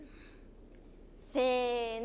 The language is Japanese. せの。